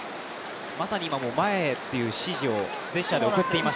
まさに前へという指示をジェスチャーで送っていました。